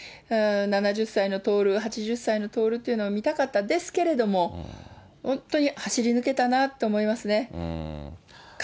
７０歳の徹、８０歳の徹っていうのを見たかったですけれども、本当に走り抜けたなと思いますね。